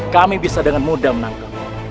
kami bisa dengan mudah menangkap